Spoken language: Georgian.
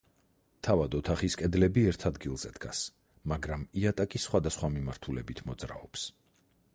თავად ოთახის კედლები ერთ ადგილზე დგას, მაგრამ იატაკი სხვადასხვა მიმართულებით მოძრაობს.